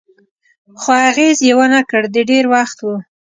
خو اغېز یې و نه کړ، د ډېر وخت و.